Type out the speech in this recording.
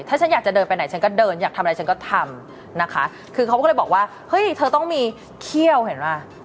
ถ้าฉันอยากจะเดินไปไหนฉันก็เดินอยากทำอะไรฉันก็ทำนะคะคือเขาก็เลยบอกว่าเฮ้ยเธอต้องมีเขี้ยวเห็นป่ะ